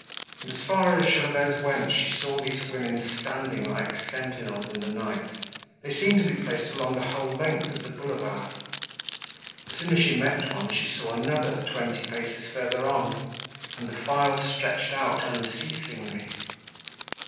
And as far as Gervaise went she saw these women standing like sentinels in the night. They seemed to be placed along the whole length of the Boulevard. As soon as she met one she saw another twenty paces further on, and the file stretched out unceasingly.